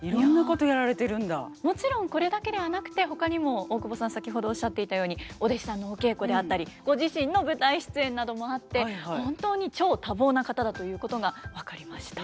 もちろんこれだけではなくてほかにも大久保さん先ほどおっしゃっていたようにお弟子さんのお稽古であったりご自身の舞台出演などもあって本当に超多忙な方だということが分かりました。